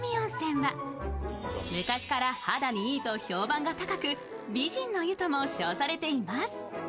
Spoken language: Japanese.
昔から肌にいいと評判が高く美人の湯とも称されております。